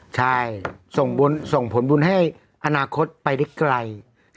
ใช่ส่งผลบุญให้อนาคตไปได้ไกล